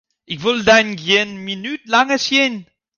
Ik wol dyn gjin minút langer sjen!